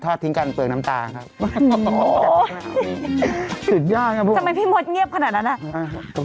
ท่อทิ้งกันเปลืองน้ำตาครับ